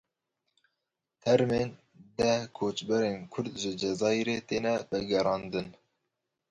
Termên deh koçberên Kurd ji Cezayirê têne vegerandin.